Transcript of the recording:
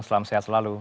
selam sehat selalu